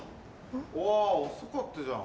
おぉ遅かったじゃん。